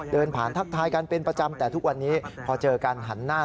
เดินผ่านทักทายกันเป็นประจำแต่ทุกวันนี้พอเจอกันหันหน้า